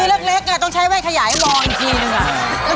ซื้อเล็กต้องใช้ไว่ขยายมองทีนึง